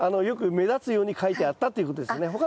よく目立つように書いてあったということですね。